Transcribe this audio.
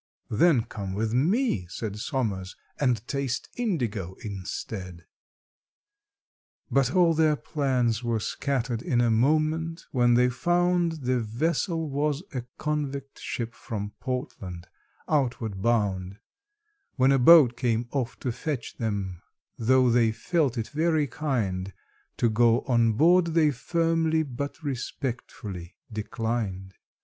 "Then come with me," said SOMERS, "and taste indigo instead." But all their plans were scattered in a moment when they found The vessel was a convict ship from Portland, outward bound; When a boat came off to fetch them, though they felt it very kind, To go on board they firmly but respectfully declined.